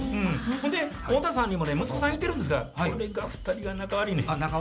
ほんで太田さんにもね息子さんいてるんですがこれが２人が仲悪いねん。